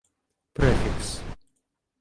Префікс